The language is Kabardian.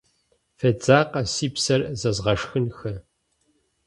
Федзакъэ, си псэр зэзгъэшхынхэ.